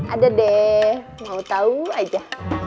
ada deh mau tahu aja